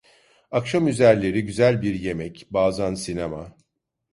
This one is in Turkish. Akşamüzerleri güzel bir yemek, bazan sinema…